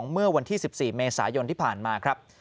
เมื่อวันที่๑๔เมษายนที่ผ่านมาครับ